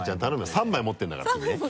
３枚持ってるから。